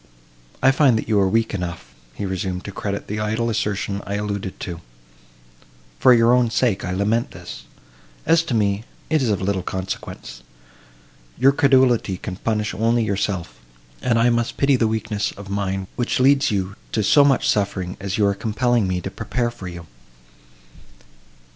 "I find that you are weak enough," he resumed, "to credit the idle assertion I alluded to! For your own sake I lament this; as to me, it is of little consequence. Your credulity can punish only yourself; and I must pity the weakness of mind, which leads you to so much suffering as you are compelling me to prepare for you."